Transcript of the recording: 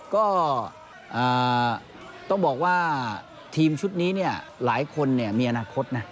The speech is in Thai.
ก็ต้องบอกว่าทีมชุดนี้เนี่ยหลายคนมีอนาคตนะ